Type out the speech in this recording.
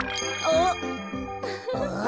あっ。